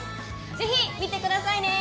ぜひ見てくださいね！